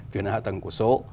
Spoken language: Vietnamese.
chuyển sang hạ tầng của số